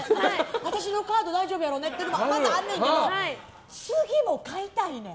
私のカード大丈夫やろうね？というのもあるんだけど次も買いたいねん。